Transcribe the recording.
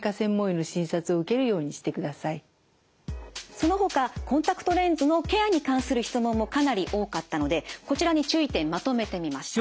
そのほかコンタクトレンズのケアに関する質問もかなり多かったのでこちらに注意点まとめてみました。